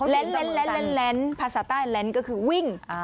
เล่นภาษาใต้แล้นก็คือวิ่ง